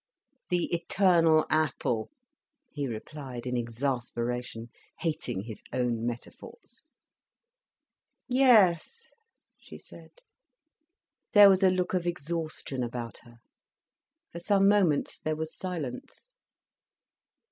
"The eternal apple," he replied in exasperation, hating his own metaphors. "Yes," she said. There was a look of exhaustion about her. For some moments there was silence.